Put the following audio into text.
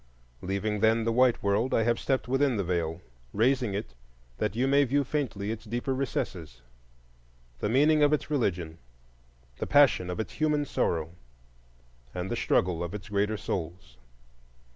Leaving, then, the white world, I have stepped within the Veil, raising it that you may view faintly its deeper recesses,—the meaning of its religion, the passion of its human sorrow, and the struggle of its greater souls.